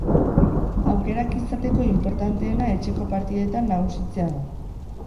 Aukerak izateko inportanteena etxeko partidetan nagusitzea da.